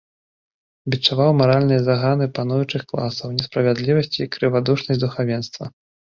Бічаваў маральныя заганы пануючых класаў, несправядлівасць і крывадушнасць духавенства.